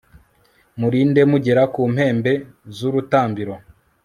murinde mugera ku mpembe z'urutambiro